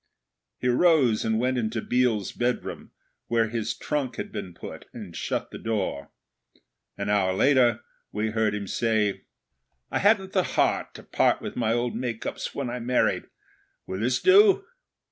He rose and went into Biel's bedroom, where his trunk had been put, and shut the door. An hour later, we heard him say, 'I hadn't the heart to part with my old make ups when I married. Will this do?'